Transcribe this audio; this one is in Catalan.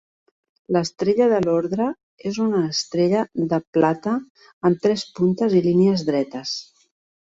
L'estrella de l'ordre és una estrella de plata amb tres puntes i línies dretes.